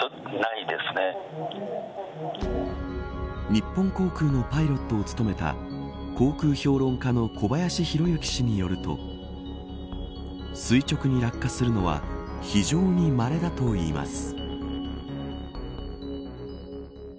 日本航空のパイロットを務めた航空評論家の小林宏之氏によると垂直に落下するのは非常にまれだといいます。